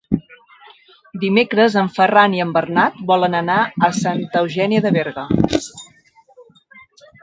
Dimecres en Ferran i en Bernat volen anar a Santa Eugènia de Berga.